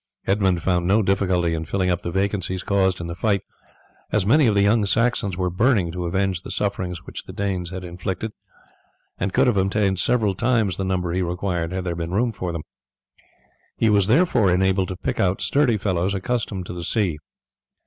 Edmund found no difficulty in filling up the vacancies caused in the fight, as many of the young Saxons were burning to avenge the sufferings which the Danes had inflicted, and could have obtained several times the number he required had there been room for them. He was therefore enabled to pick out sturdy fellows accustomed to the sea.